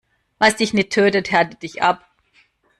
Was dich nicht tötet, härtet dich ab.